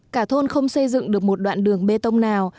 cả thôn không xây dựng được một đoạn đường bê tông nào